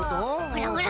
ほらほら。